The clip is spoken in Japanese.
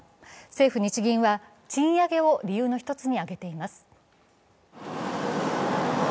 政府・日銀は賃上げを理由の１つに挙げています。